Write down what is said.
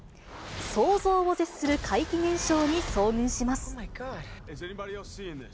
想像を絶する怪奇現象に遭遇します。